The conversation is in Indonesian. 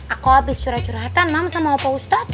aku habis curhat curhatan mama sama pak ustadz